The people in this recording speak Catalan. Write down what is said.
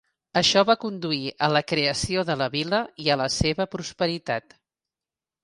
Això va conduir a la creació de la vila i a la seva prosperitat.